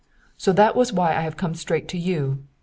So that is why I have come straight to you.